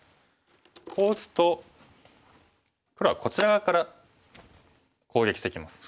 こう打つと黒はこちら側から攻撃してきます。